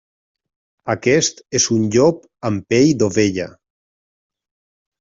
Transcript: Aquest és un llop amb pell d'ovella.